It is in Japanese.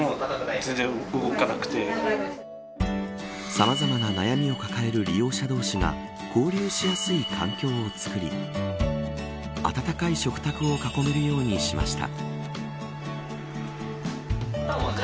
さまざまな悩みを抱える利用者同士が交流しやすい環境を作り温かい食卓を囲めるようにしました。